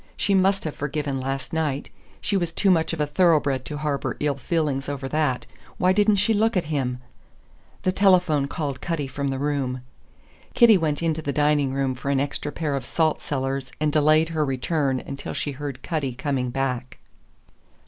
She must have forgiven last night. She was too much of a thoroughbred to harbour ill feeling over that. Why didn't she look at him? The telephone called Cutty from the room. Kitty went into the dining room for an extra pair of salt cellars and delayed her return until she heard Cutty coming back.